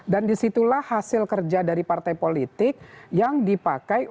dan disitulah hasil kerja dari partai politik yang dipakai untuk